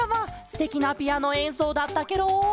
すてきなピアノえんそうだったケロ！